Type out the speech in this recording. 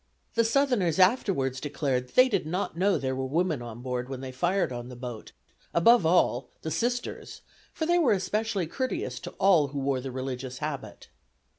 The Southerners afterwards declared they did not know there were women on board when they fired on the boat, above all, the Sisters, for they were especially courteous to all who wore the religious habit.